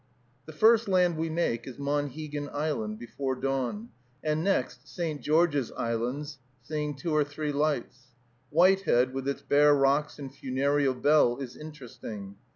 The first land we make is Monhegan Island, before dawn, and next St. George's Islands, seeing two or three lights. Whitehead, with its bare rocks and funereal bell, is interesting.